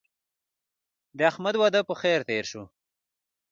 د احمد واده په خیر تېر شو.